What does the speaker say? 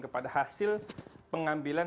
kepada hasil pengambilan